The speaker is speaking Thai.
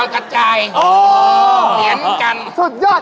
ทำไมไม่มีเท่าเลยวะ